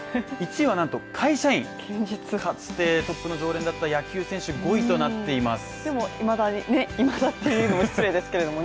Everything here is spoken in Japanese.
１位はなんと、会社員、トップの常連だった野球選手５位となっています